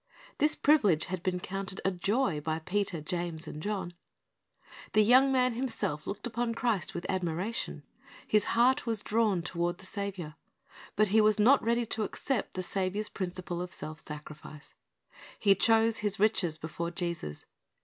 This privilege had been counted a joy by Peter, James, and John. The young man himself looked upon Christ with admiration. His heart was drawn toward the Saviour. But he was not ready to accept the Saviour's principle of self sacrifice. He chose his riches before Jesus.